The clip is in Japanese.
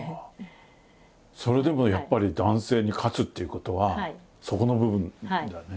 それでもやっぱり男性に勝つっていうことはそこの部分だね。